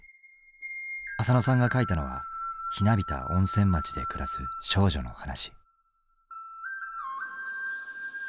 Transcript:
あさのさんが書いたのはひなびた温泉町で暮らす少女の話。